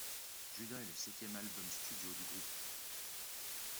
Judas est le septième album studio du groupe.